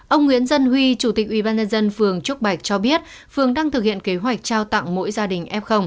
ông nguyễn dân huy chủ tịch ủy ban nhân dân phường trúc bạch cho biết phường đang thực hiện kế hoạch trao tặng mỗi gia đình f